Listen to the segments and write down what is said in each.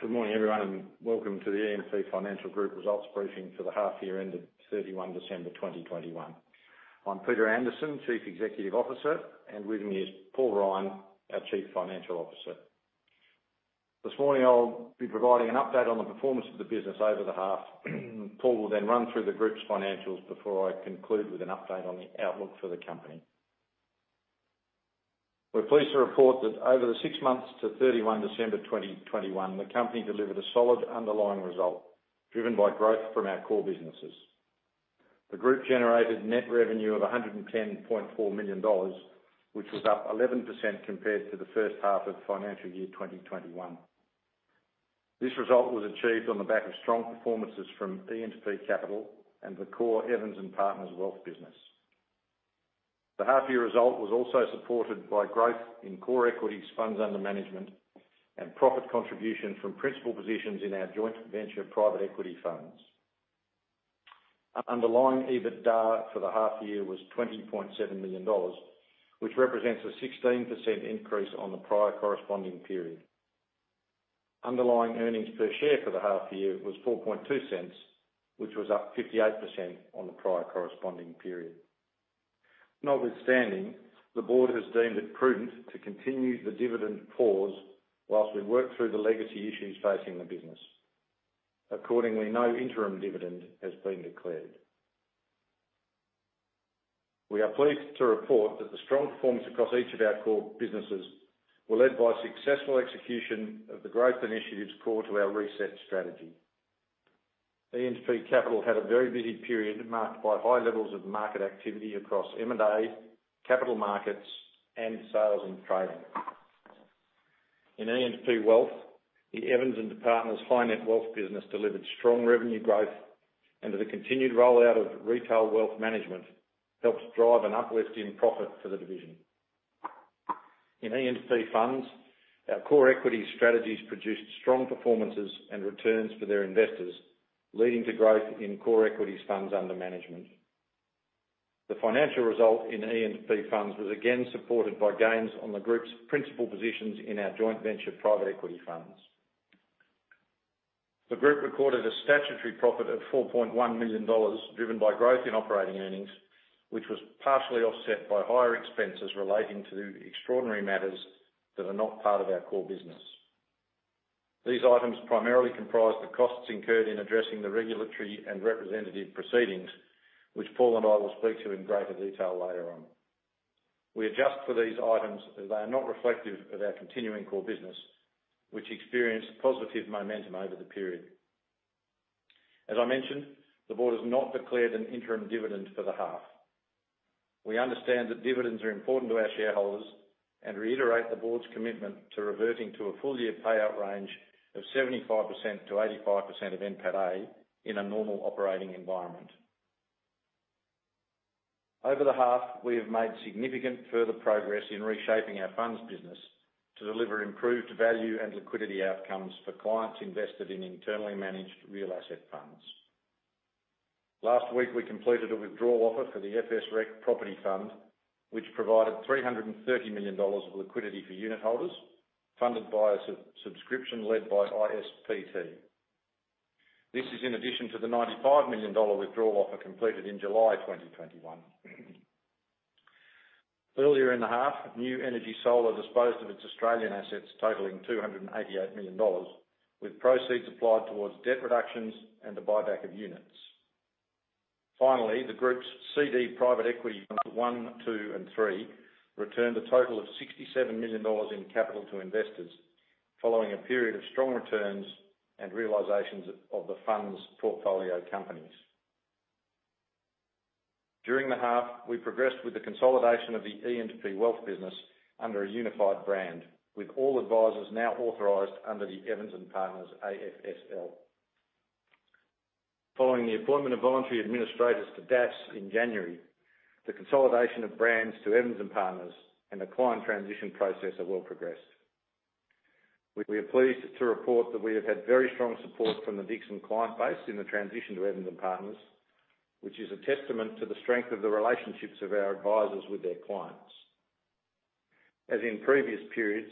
Good morning, everyone, and welcome to the E&P Financial Group results briefing for the half-year ended 31 December 2021. I'm Peter Anderson, Chief Executive Officer, and with me is Paul Ryan, our Chief Financial Officer. This morning, I'll be providing an update on the performance of the business over the half. Paul will then run through the group's financials before I conclude with an update on the outlook for the company. We're pleased to report that over the six months to 31 December 2021, the company delivered a solid underlying result driven by growth from our core businesses. The group generated net revenue of 110.4 million dollars, which was up 11% compared to the first half of financial year 2021. This result was achieved on the back of strong performances from E&P Capital and the core Evans and Partners Wealth business. The half-year result was also supported by growth in core equities funds under management and profit contribution from principal positions in our joint venture private equity funds. Underlying EBITDA for the half-year was 20.7 million dollars, which represents a 16% increase on the prior corresponding period. Underlying earnings per share for the half-year was 0.042, which was up 58% on the prior corresponding period. Notwithstanding, the board has deemed it prudent to continue the dividend pause while we work through the legacy issues facing the business. Accordingly, no interim dividend has been declared. We are pleased to report that the strong performance across each of our core businesses was led by successful execution of the growth initiatives core to our reset strategy. E&P Capital had a very busy period marked by high levels of market activity across M&A, capital markets, and sales and trading. In E&P Wealth, the Evans and Partners high net worth business delivered strong revenue growth, and with the continued rollout of retail wealth management, helped drive an uplift in profit for the division. In E&P Funds, our core equity strategies produced strong performances and returns for their investors, leading to growth in core equities funds under management. The financial result in E&P Funds was again supported by gains on the group's principal positions in our joint venture private equity funds. The group recorded a statutory profit of 4.1 million dollars, driven by growth in operating earnings, which was partially offset by higher expenses relating to extraordinary matters that are not part of our core business. These items primarily comprise the costs incurred in addressing the regulatory and representative proceedings, which Paul and I will speak to in greater detail later on. We adjust for these items as they are not reflective of our continuing core business, which experienced positive momentum over the period. As I mentioned, the board has not declared an interim dividend for the half. We understand that dividends are important to our shareholders and reiterate the board's commitment to reverting to a full-year payout range of 75%-85% of NPATA in a normal operating environment. Over the half, we have made significant further progress in reshaping our funds business to deliver improved value and liquidity outcomes for clients invested in internally managed real asset funds. Last week, we completed a withdrawal offer for the FSREC Property Fund, which provided 330 million dollars of liquidity for unitholders, funded by a subscription led by ISPT. This is in addition to the AUD 95 million withdrawal offer completed in July 2021. Earlier in the half, New Energy Solar disposed of its Australian assets totaling 288 million dollars, with proceeds applied towards debt reductions and the buyback of units. Finally, the group's CD Private Equity Fund I, II, and III returned a total of 67 million dollars in capital to investors following a period of strong returns and realizations of the funds' portfolio companies. During the half, we progressed with the consolidation of the E&P Wealth business under a unified brand, with all advisors now authorized under the Evans and Partners AFSL. Following the appointment of voluntary administrators to DASS in January, the consolidation of brands to Evans and Partners and the client transition process are well progressed. We are pleased to report that we have had very strong support from the Dixon client base in the transition to Evans and Partners, which is a testament to the strength of the relationships of our advisors with their clients. As in previous periods,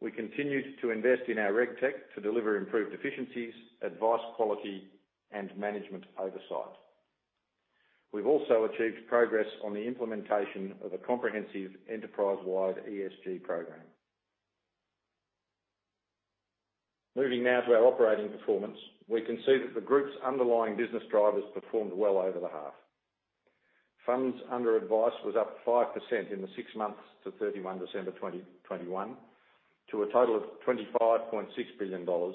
we continued to invest in our RegTech to deliver improved efficiencies, advice quality, and management oversight. We've also achieved progress on the implementation of a comprehensive enterprise-wide ESG program. Moving now to our operating performance. We can see that the group's underlying business drivers performed well over the half. Funds under advice was up 5% in the six months to 31 December 2021 to a total of 25.6 billion dollars,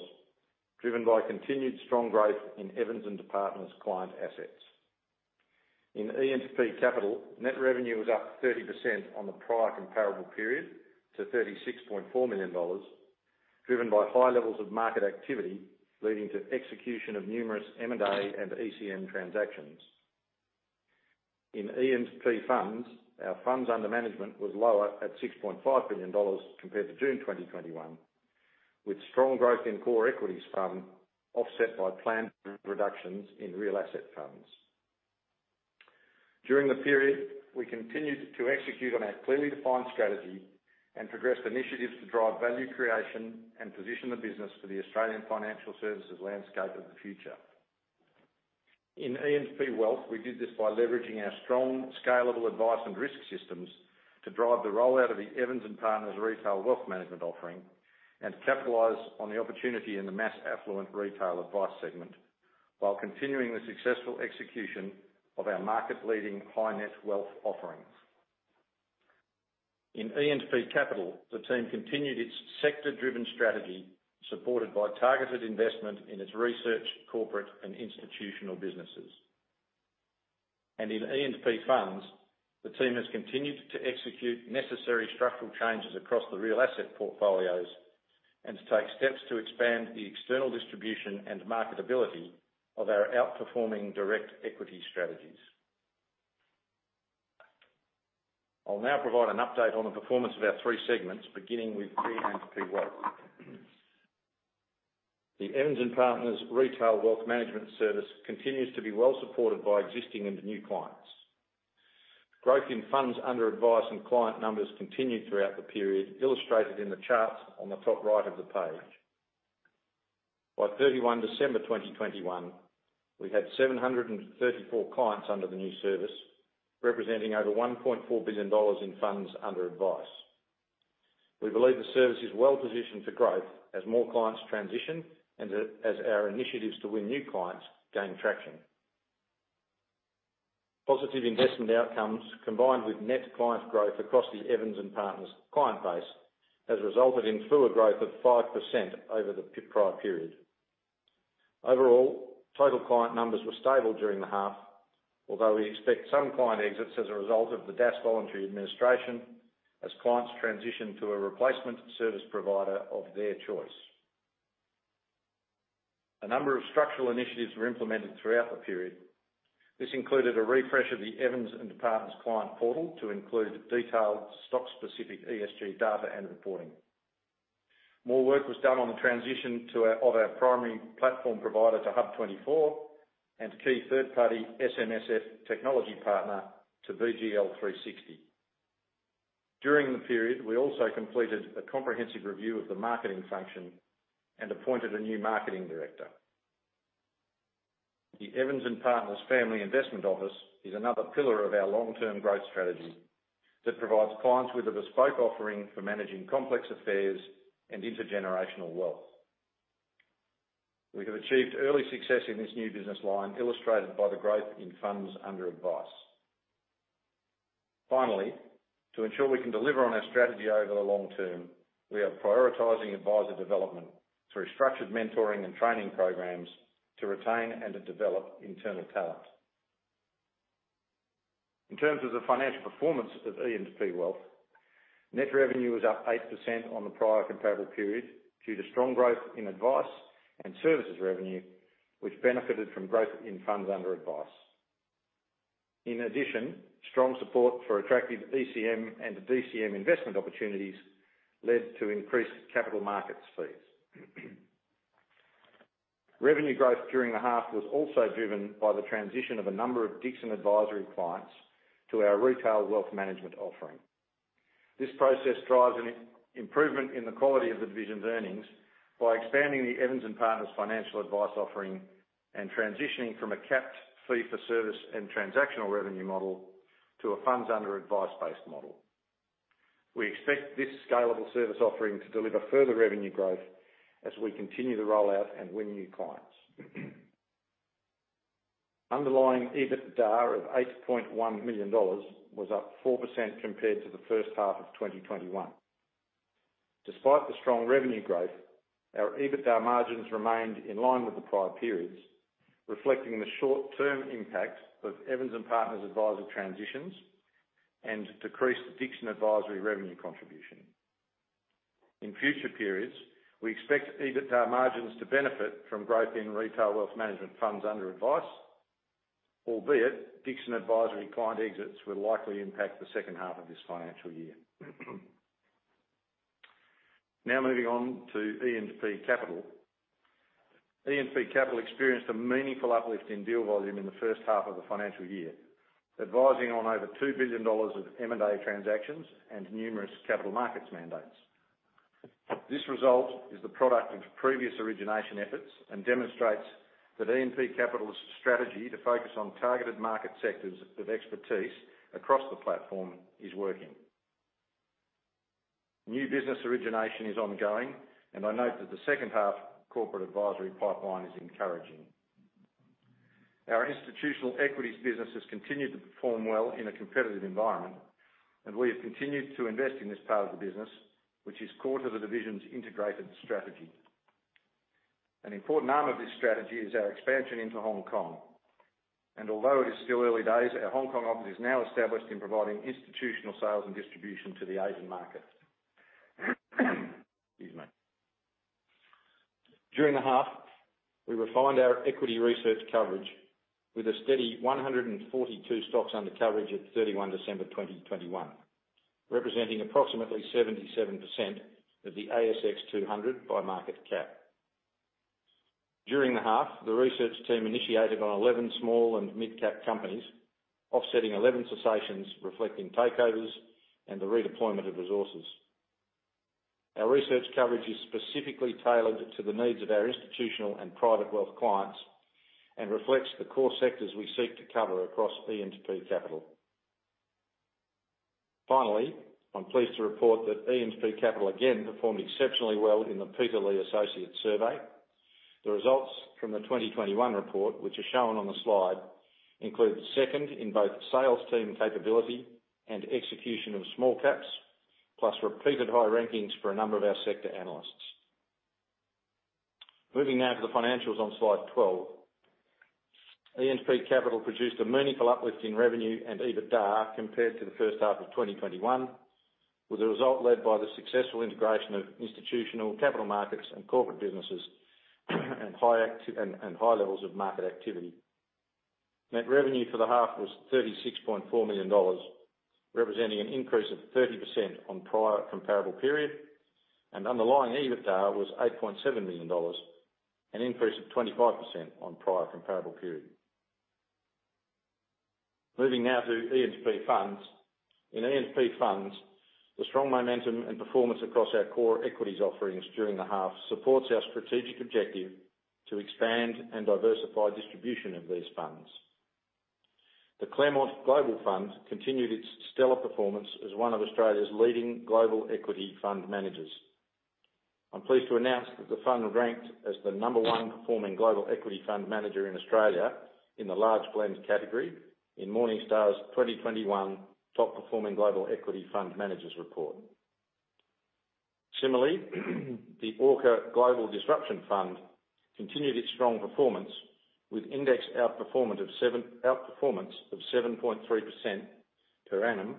driven by continued strong growth in Evans and Partners client assets. In E&P Capital, net revenue was up 30% on the prior comparable period to 36.4 million dollars, driven by high levels of market activity, leading to execution of numerous M&A and ECM transactions. In E&P Funds, our funds under management was lower at 6.5 billion dollars compared to June 2021, with strong growth in core equities funds offset by planned reductions in real asset funds. During the period, we continued to execute on our clearly defined strategy and progressed initiatives to drive value creation and position the business for the Australian financial services landscape of the future. In E&P Wealth, we did this by leveraging our strong scalable advice and risk systems to drive the rollout of the Evans and Partners retail wealth management offering and capitalize on the opportunity in the mass affluent retail advice segment while continuing the successful execution of our market-leading high-net-worth offerings. In E&P Capital, the team continued its sector-driven strategy, supported by targeted investment in its research, corporate and institutional businesses. In E&P Funds, the team has continued to execute necessary structural changes across the real asset portfolios and to take steps to expand the external distribution and marketability of our outperforming direct equity strategies. I'll now provide an update on the performance of our three segments, beginning with E&P Wealth. The Evans and Partners retail wealth management service continues to be well supported by existing and new clients. Growth in funds under advice and client numbers continued throughout the period, illustrated in the charts on the top right of the page. By 31 December 2021, we had 734 clients under the new service, representing over 1.4 billion dollars in funds under advice. We believe the service is well positioned for growth as more clients transition and as our initiatives to win new clients gain traction. Positive investment outcomes, combined with net client growth across the Evans and Partners client base, has resulted in FUA growth of 5% over the prior period. Overall, total client numbers were stable during the half, although we expect some client exits as a result of the DASS voluntary administration as clients transition to a replacement service provider of their choice. A number of structural initiatives were implemented throughout the period. This included a refresh of the Evans and Partners client portal to include detailed stock-specific ESG data and reporting. More work was done on the transition of our primary platform provider to HUB24 and key third-party SMSF technology partner to BGL 360. During the period, we also completed a comprehensive review of the marketing function and appointed a new marketing director. The Evans and Partners Family Investment Office is another pillar of our long-term growth strategy that provides clients with a bespoke offering for managing complex affairs and intergenerational wealth. We have achieved early success in this new business line, illustrated by the growth in funds under advice. Finally, to ensure we can deliver on our strategy over the long term, we are prioritizing advisor development through structured mentoring and training programs to retain and to develop internal talent. In terms of the financial performance of E&P Wealth, net revenue was up 8% on the prior comparable period due to strong growth in advice and services revenue, which benefited from growth in funds under advice. In addition, strong support for attractive ECM and DCM investment opportunities led to increased capital markets fees. Revenue growth during the half was also driven by the transition of a number of Dixon Advisory clients to our retail wealth management offering. This process drives an improvement in the quality of the division's earnings by expanding the Evans and Partners financial advice offering and transitioning from a capped fee for service and transactional revenue model to a funds under advice-based model. We expect this scalable service offering to deliver further revenue growth as we continue to roll out and win new clients. Underlying EBITDA of 8.1 million dollars was up 4% compared to the first half of 2021. Despite the strong revenue growth, our EBITDA margins remained in line with the prior periods, reflecting the short-term impact of Evans and Partners advisor transitions and decreased Dixon Advisory revenue contribution. In future periods, we expect EBITDA margins to benefit from growth in retail wealth management funds under advice, albeit Dixon Advisory client exits will likely impact the second half of this financial year. Now moving on to E&P Capital. E&P Capital experienced a meaningful uplift in deal volume in the first half of the financial year, advising on over 2 billion dollars of M&A transactions and numerous capital markets mandates. This result is the product of previous origination efforts and demonstrates that E&P Capital's strategy to focus on targeted market sectors of expertise across the platform is working. New business origination is ongoing, and I note that the second half corporate advisory pipeline is encouraging. Our institutional equities business has continued to perform well in a competitive environment, and we have continued to invest in this part of the business, which is core to the division's integrated strategy. An important arm of this strategy is our expansion into Hong Kong. Although it is still early days, our Hong Kong office is now established in providing institutional sales and distribution to the Asian market. Excuse me. During the half, we refined our equity research coverage with a steady 142 stocks under coverage at 31 December 2021, representing approximately 77% of the ASX 200 by market cap. During the half, the research team initiated on 11 small and mid-cap companies, offsetting 11 cessations, reflecting takeovers and the redeployment of resources. Our research coverage is specifically tailored to the needs of our institutional and private wealth clients and reflects the core sectors we seek to cover across E&P Capital. Finally, I'm pleased to report that E&P Capital again performed exceptionally well in the Peter Lee Associates survey. The results from the 2021 report, which are shown on the slide, include second in both sales team capability and execution of small caps, plus repeated high rankings for a number of our sector analysts. Moving now to the financials on slide 12. E&P Capital produced a meaningful uplift in revenue and EBITDA compared to the first half of 2021, with a result led by the successful integration of institutional capital markets and corporate businesses, and high levels of market activity. Net revenue for the half was 36.4 million dollars, representing an increase of 30% on prior comparable period, and underlying EBITDA was 8.7 million dollars, an increase of 25% on prior comparable period. Moving now to E&P Funds. In E&P Funds, the strong momentum and performance across our core equities offerings during the half supports our strategic objective to expand and diversify distribution of these funds. The Claremont Global Fund continued its stellar performance as one of Australia's leading global equity fund managers. I'm pleased to announce that the fund ranked as the number one performing global equity fund manager in Australia in the large blends category in Morningstar's 2021 top-performing global equity fund managers report. Similarly, the Orca Global Disruption Fund continued its strong performance with index outperformance of 7.3% per annum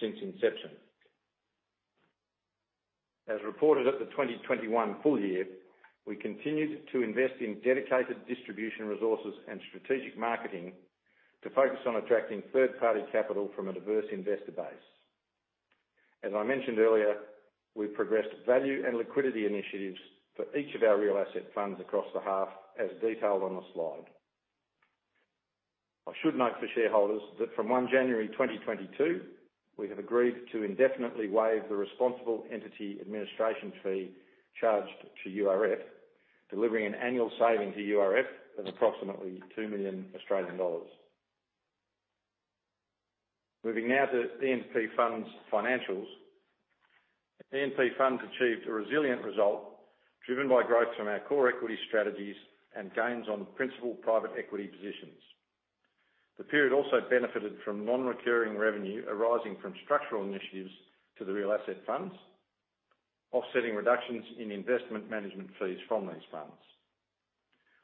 since inception. As reported at the 2021 full-year, we continued to invest in dedicated distribution resources and strategic marketing to focus on attracting third-party capital from a diverse investor base. As I mentioned earlier, we've progressed value and liquidity initiatives for each of our real asset funds across the half, as detailed on the slide. I should note for shareholders that from 1 January 2022, we have agreed to indefinitely waive the responsible entity administration fee charged to URF, delivering an annual saving to URF of approximately 2 million Australian dollars. Moving now to E&P Funds financials. E&P Funds achieved a resilient result driven by growth from our core equity strategies and gains on principal private equity positions. The period also benefited from non-recurring revenue arising from structural initiatives to the real asset funds, offsetting reductions in investment management fees from these funds.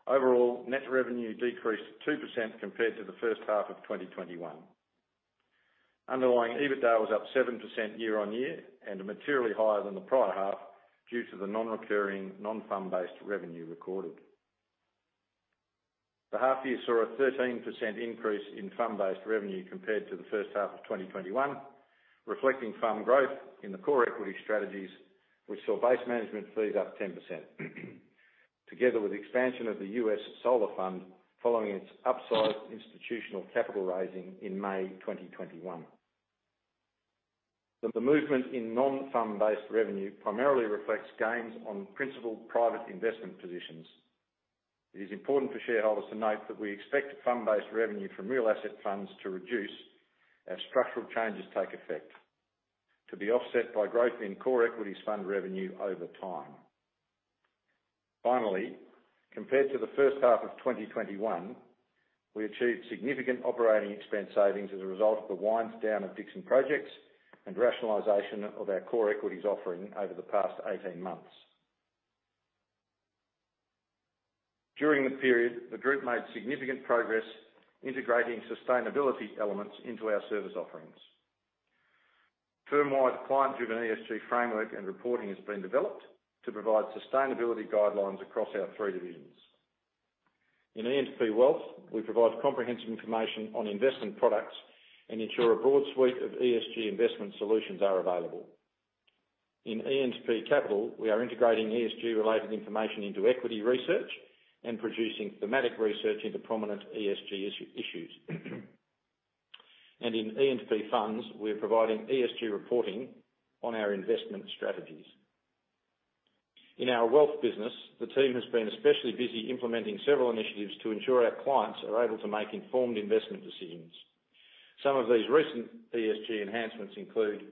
Overall, net revenue decreased 2% compared to the first half of 2021. Underlying EBITDA was up 7% year on year and materially higher than the prior half due to the non-recurring, non-fund based revenue recorded. The half-year saw a 13% increase in fund-based revenue compared to the first half of 2021, reflecting fund growth in the core equity strategies, which saw base management fees up 10% together with the expansion of the U.S. Solar Fund following its upsized institutional capital raising in May 2021. The movement in non-fund based revenue primarily reflects gains on principal private investment positions. It is important for shareholders to note that we expect fund-based revenue from real asset funds to reduce as structural changes take effect, to be offset by growth in core equities fund revenue over time. Finally, compared to the first half of 2021, we achieved significant operating expense savings as a result of the wind down at Dixon Projects and rationalization of our core equities offering over the past 18 months. During the period, the group made significant progress integrating sustainability elements into our service offerings. Firmwide client-driven ESG framework and reporting has been developed to provide sustainability guidelines across our three divisions. In E&P Wealth, we provide comprehensive information on investment products and ensure a broad suite of ESG investment solutions are available. In E&P Capital, we are integrating ESG-related information into equity research and producing thematic research into prominent ESG issues. In E&P Funds, we're providing ESG reporting on our investment strategies. In our wealth business, the team has been especially busy implementing several initiatives to ensure our clients are able to make informed investment decisions. Some of these recent ESG enhancements include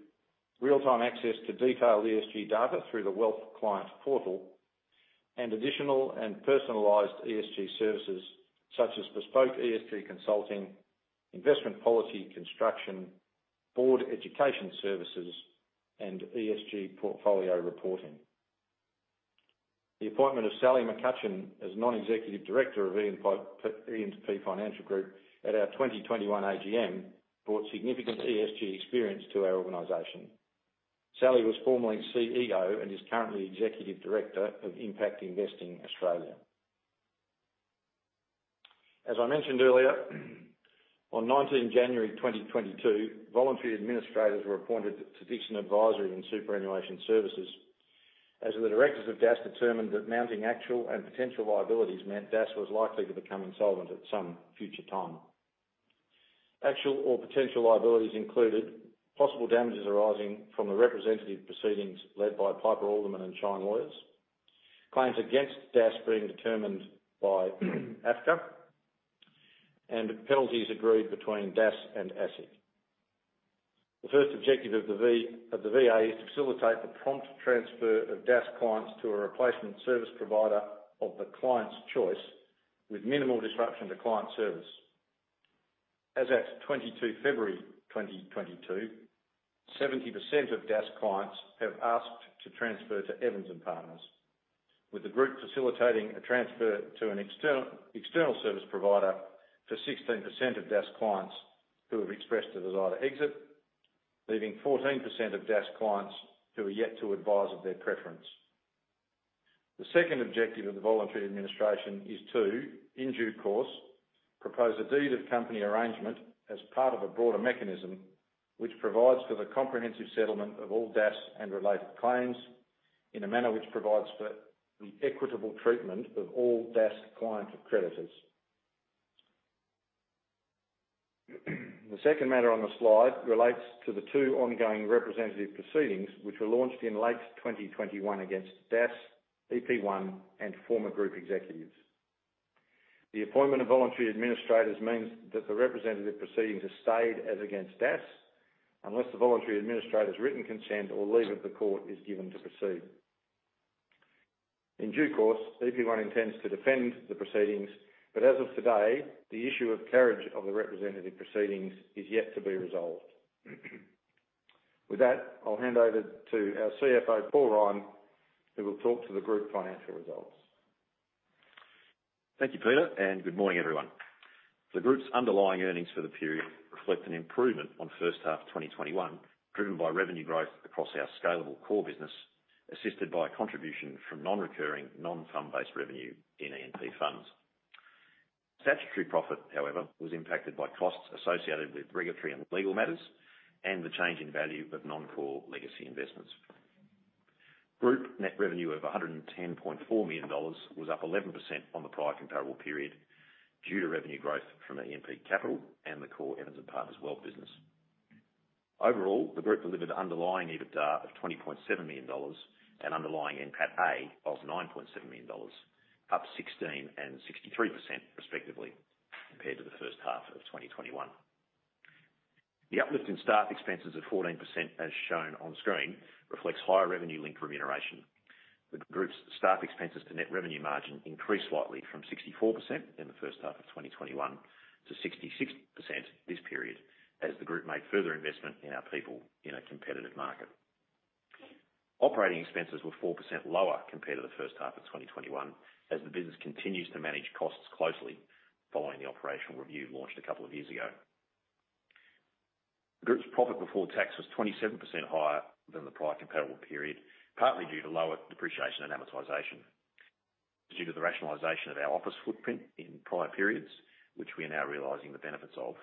real-time access to detailed ESG data through the Wealth Client Portal and additional and personalized ESG services such as bespoke ESG consulting, investment policy construction, board education services, and ESG portfolio reporting. The appointment of Sally McCutchan as Non-Executive Director of E&P Financial Group at our 2021 AGM brought significant ESG experience to our organization. Sally was formerly CEO and is currently Executive Director of Impact Investing Australia. As I mentioned earlier, on January 19, 2022, voluntary administrators were appointed to Dixon Advisory and Superannuation Services, as the directors of DASS determined that mounting actual and potential liabilities meant DASS was likely to become insolvent at some future time. Actual or potential liabilities included possible damages arising from the representative proceedings led by Piper Alderman and Shine Lawyers, claims against DASS being determined by AFCA, and penalties agreed between DASS and ASIC. The first objective of the VA is to facilitate the prompt transfer of DASS clients to a replacement service provider of the client's choice with minimal disruption to client service. As at 22 February 2022, 70% of DASS clients have asked to transfer to Evans and Partners, with the group facilitating a transfer to an external service provider for 16% of DASS clients who have expressed the desire to exit, leaving 14% of DASS clients who are yet to advise of their preference. The second objective of the voluntary administration is to, in due course, propose a Deed of Company Arrangement as part of a broader mechanism which provides for the comprehensive settlement of all DASS and related claims in a manner which provides for the equitable treatment of all DASS clients of creditors. The second matter on the slide relates to the two ongoing representative proceedings which were launched in late 2021 against DASS, EP1, and former group executives. The appointment of voluntary administrators means that the representative proceedings are stayed as against DASS, unless the voluntary administrator's written consent or leave of the court is given to proceed. In due course, EP1 intends to defend the proceedings, but as of today, the issue of carriage of the representative proceedings is yet to be resolved. With that, I'll hand over to our CFO, Paul Ryan, who will talk to the Group financial results. Thank you, Peter, and good morning, everyone. The group's underlying earnings for the period reflect an improvement on first half of 2021, driven by revenue growth across our scalable core business, assisted by contribution from non-recurring, non-fund based revenue in E&P Funds. Statutory profit, however, was impacted by costs associated with regulatory and legal matters and the change in value of non-core legacy investments. Group net revenue of 110.4 million dollars was up 11% on the prior comparable period due to revenue growth from E&P Capital and the core Evans and Partners Wealth business. Overall, the group delivered underlying EBITDA of 20.7 million dollars and underlying NPATA of 9.7 million dollars, up 16% and 63% respectively, compared to the first half of 2021. The uplift in staff expenses of 14%, as shown on screen, reflects higher revenue link remuneration. The group's staff expenses to net revenue margin increased slightly from 64% in the first half of 2021 to 66% this period as the group made further investment in our people in a competitive market. Operating expenses were 4% lower compared to the first half of 2021 as the business continues to manage costs closely following the operational review launched a couple of years ago. The group's profit before tax was 27% higher than the prior comparable period, partly due to lower depreciation and amortization, due to the rationalization of our office footprint in prior periods, which we are now realizing the benefits of,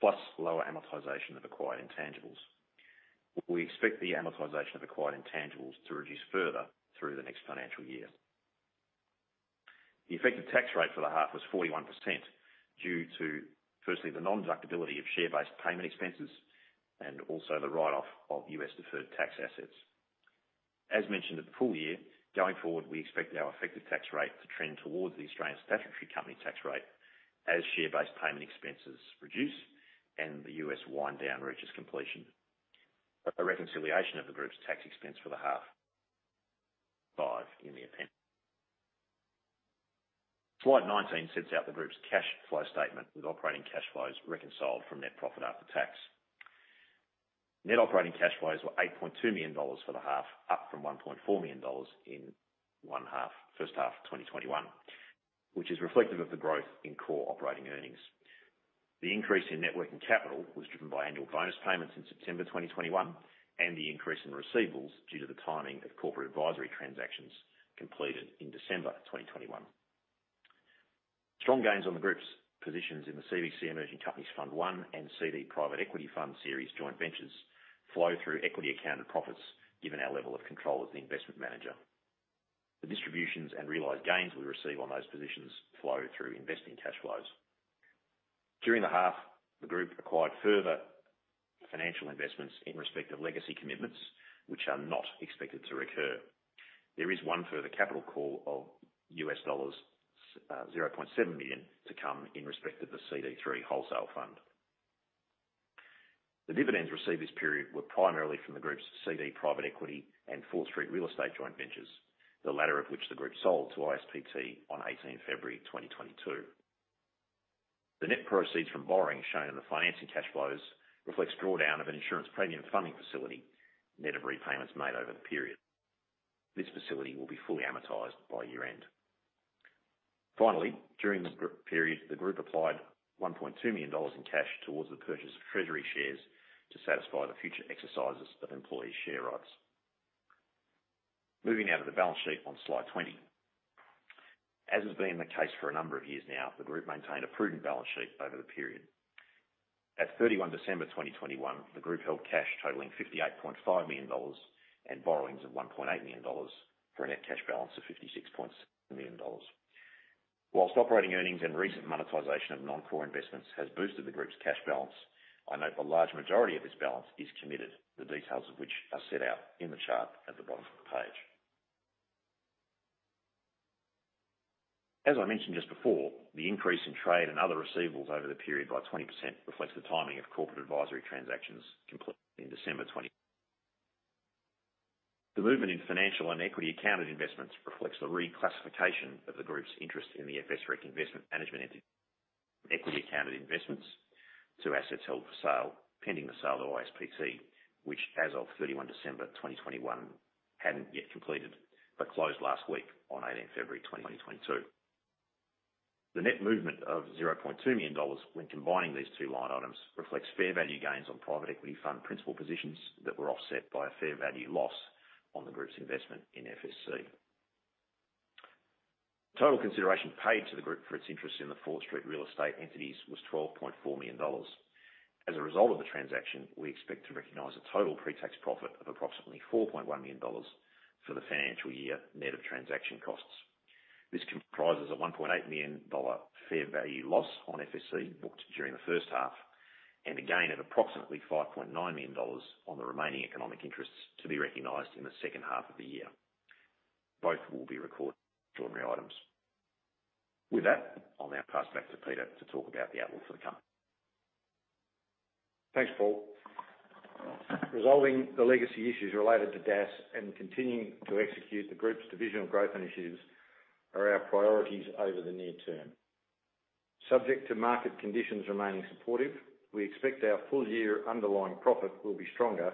plus lower amortization of acquired intangibles. We expect the amortization of acquired intangibles to reduce further through the next financial year. The effective tax rate for the half was 41% due to, firstly, the non-deductibility of share-based payment expenses and also the write-off of U.S. deferred tax assets. As mentioned at the full-year, going forward, we expect our effective tax rate to trend towards the Australian statutory company tax rate as share-based payment expenses reduce and the U.S. wind down reaches completion. A reconciliation of the group's tax expense for the half is in the appendix. Slide 19 sets out the group's cash flow statement with operating cash flows reconciled from net profit after tax. Net operating cash flows were 8.2 million dollars for the half, up from 1.4 million dollars in the first half of 2021, which is reflective of the growth in core operating earnings. The increase in net working capital was driven by annual bonus payments in September 2021, and the increase in receivables due to the timing of corporate advisory transactions completed in December 2021. Strong gains on the group's positions in the CVC Emerging Companies Fund I and CD Private Equity Fund Series joint ventures flow through equity accounted profits given our level of control as the investment manager. The distributions and realized gains we receive on those positions flow through investing cash flows. During the half, the group acquired further financial investments in respect of legacy commitments, which are not expected to recur. There is one further capital call of $0.7 million to come in respect of the CD3 wholesale fund. The dividends received this period were primarily from the group's CD Private Equity and Fort Street real estate joint ventures, the latter of which the group sold to ISPT on 18 February 2022. The net proceeds from borrowing shown in the financing cash flows reflects drawdown of an insurance premium funding facility net of repayments made over the period. This facility will be fully amortized by year-end. Finally, during the period, the group applied 1.2 million dollars in cash towards the purchase of treasury shares to satisfy the future exercises of employee share rights. Moving now to the balance sheet on slide 20. As has been the case for a number of years now, the group maintained a prudent balance sheet over the period. At 31 December 2021, the group held cash totaling 58.5 million dollars and borrowings of 1.8 million dollars for a net cash balance of 56.6 million dollars. While operating earnings and recent monetization of non-core investments has boosted the group's cash balance, I note a large majority of this balance is committed, the details of which are set out in the chart at the bottom of the page. As I mentioned just before, the increase in trade and other receivables over the period by 20% reflects the timing of corporate advisory transactions completed in December 2020. The movement in financial and equity accounted investments reflects the reclassification of the group's interest in the FSREC investment management entity equity accounted investments to assets held for sale pending the sale of ISPT, which as of 31 December 2021, hadn't yet completed but closed last week on 18 February 2022. The net movement of 0.2 million dollars when combining these two line items reflects fair value gains on private equity fund principal positions that were offset by a fair value loss on the group's investment in FSREC. Total consideration paid to the group for its interest in the Fort Street real estate entities was 12.4 million dollars. As a result of the transaction, we expect to recognize a total pre-tax profit of approximately 4.1 million dollars for the financial year net of transaction costs. This comprises a 1.8 million dollar fair value loss on FSREC booked during the first half, and a gain of approximately 5.9 million dollars on the remaining economic interests to be recognized in the second half of the year. Both will be recorded as ordinary items. With that, I'll now pass it back to Peter to talk about the outlook for the company. Thanks, Paul. Resolving the legacy issues related to DASS and continuing to execute the group's divisional growth initiatives are our priorities over the near term. Subject to market conditions remaining supportive, we expect our full-year underlying profit will be stronger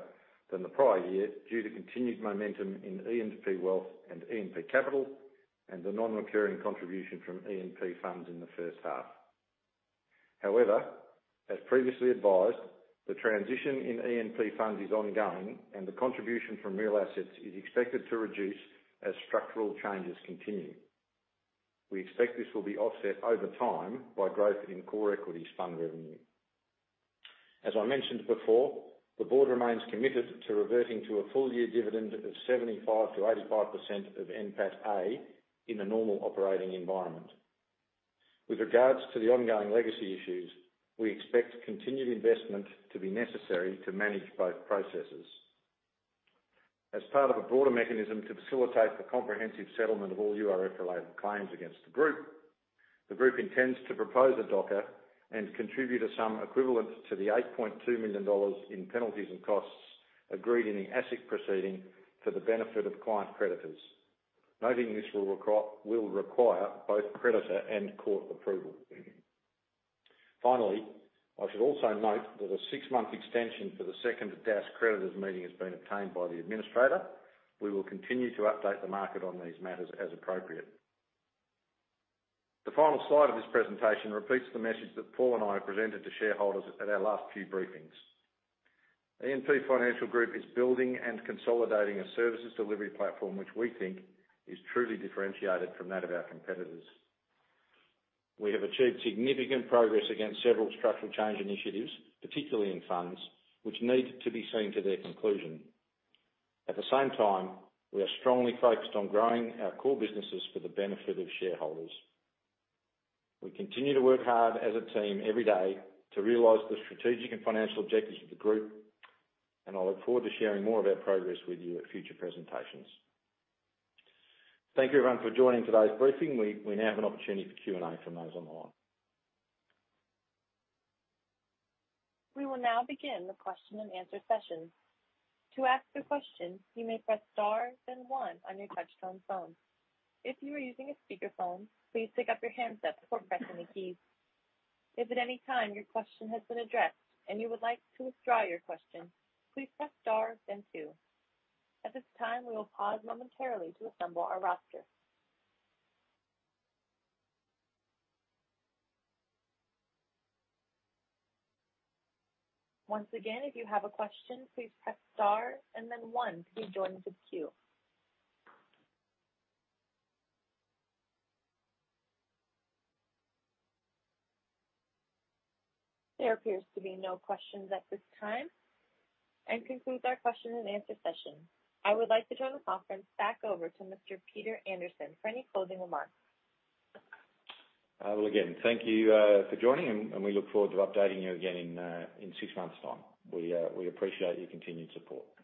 than the prior year due to continued momentum in E&P Wealth and E&P Capital and the non-recurring contribution from E&P Funds in the first half. However, as previously advised, the transition in E&P Funds is ongoing and the contribution from real assets is expected to reduce as structural changes continue. We expect this will be offset over time by growth in core equities fund revenue. As I mentioned before, the board remains committed to reverting to a full-year dividend of 75%-85% of NPATA in the normal operating environment. With regards to the ongoing legacy issues, we expect continued investment to be necessary to manage both processes. As part of a broader mechanism to facilitate the comprehensive settlement of all URF-related claims against the group, the group intends to propose a DOCA and contribute a sum equivalent to 8.2 million dollars in penalties and costs agreed in the ASIC proceeding for the benefit of client creditors. Noting this will require both creditor and court approval. Finally, I should also note that a six-month extension for the second DASS creditors' meeting has been obtained by the administrator. We will continue to update the market on these matters as appropriate. The final slide of this presentation repeats the message that Paul and I presented to shareholders at our last few briefings. E&P Financial Group is building and consolidating a services delivery platform which we think is truly differentiated from that of our competitors. We have achieved significant progress against several structural change initiatives, particularly in funds, which need to be seen to their conclusion. At the same time, we are strongly focused on growing our core businesses for the benefit of shareholders. We continue to work hard as a team every day to realize the strategic and financial objectives of the group, and I'll look forward to sharing more of our progress with you at future presentations. Thank you everyone for joining today's briefing. We now have an opportunity for Q&A from those on the line. We will now begin the question and answer session. To ask a question, you may press star then one on your touch-tone phone. If you are using a speakerphone, please pick up your handset before pressing the keys. If at any time your question has been addressed and you would like to withdraw your question, please press star then two. At this time, we will pause momentarily to assemble our roster. Once again, if you have a question, please press star and then one to be joined to the queue. There appears to be no questions at this time. Concludes our question and answer session. I would like to turn the conference back over to Mr. Peter Anderson for any closing remarks. Well, again, thank you for joining and we look forward to updating you again in six months' time. We appreciate your continued support.